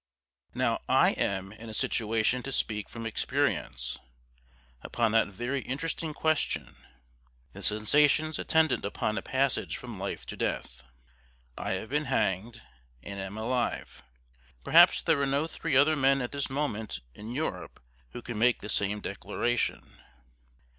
Now I am in a situation to speak from experience, upon that very interesting question the sensations attendant upon a passage from life to death. I have been HANGED, and am ALIVE perhaps there are no three other men at this moment, in Europe, who can make the same declaration.